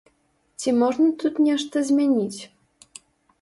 Ці можна тут нешта змяніць?